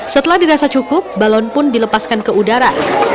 setelah dirasa cukup balon pun dilepaskan ke udara